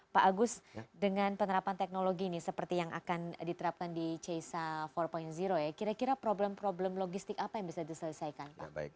pak agus dengan penerapan teknologi ini seperti yang akan diterapkan di ceisa empat ya kira kira problem problem logistik apa yang bisa diselesaikan